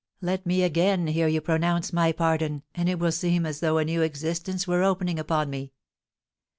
"Let me again hear you pronounce my pardon, and it will seem as though a new existence were opening upon me."